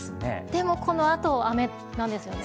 でもこのあと、雨なんですよね。